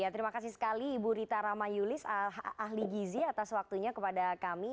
ya terima kasih sekali ibu rita rama yulis ahli gizi atas waktunya kepada kami